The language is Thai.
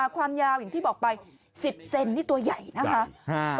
ความยาวอย่างที่บอกไป๑๐เซนนี่ตัวใหญ่นะคะ